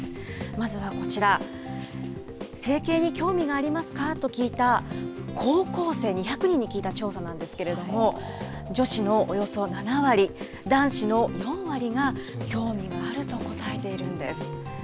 まずはこちら、整形に興味がありますか？と聞いた、高校生２００人に聞いた調査なんですけれども、女子のおよそ７割、男子の４割が、興味があると答えているんです。